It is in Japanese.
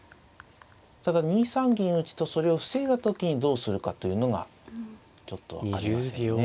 ただ２三銀打とそれを防いだ時にどうするかというのがちょっと分かりませんね。